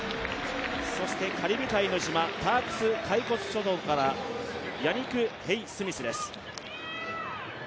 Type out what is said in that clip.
そして、カリブ海の島タークス・カイコス諸島からヤニク・ヘイスミスです。